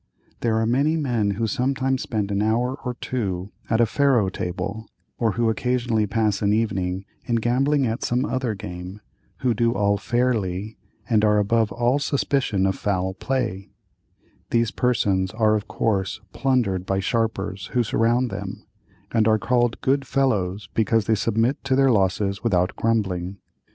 There are many men who sometimes spend an hour or two at a faro table, or who occasionally pass an evening in gambling at some other game, who do all fairly, and are above all suspicion of foul play; these persons are of course plundered by sharpers who surround them, and are called "good fellows" because they submit to their losses without grumbling.